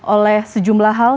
oleh sejumlah hal